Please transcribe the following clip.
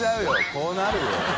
こうなるよ。